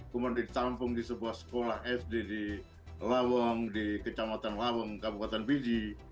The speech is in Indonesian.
kemudian ditampung di sebuah sekolah sd di lawong di kecamatan lawong kabupaten pidi